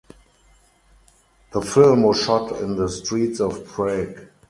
The film was shot in the streets of Prague.